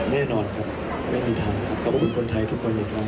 แน่นอนครับไม่มีทางนะครับเพราะว่าเป็นคนไทยทุกคนเหมือนกัน